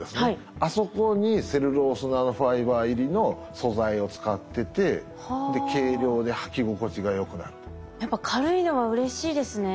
あそこにセルロースナノファイバー入りの素材を使っててやっぱ軽いのはうれしいですね。